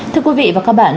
thưa quý vị và các bạn